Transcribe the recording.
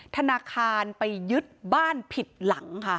ธนาคารไปยึดบ้านผิดหลังค่ะ